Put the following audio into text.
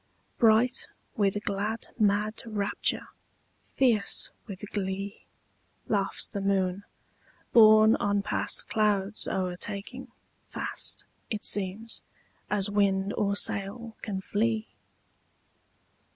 Bright with glad mad rapture, fierce with glee, Laughs the moon, borne on past cloud's o'ertaking Fast, it seems, as wind or sail can flee.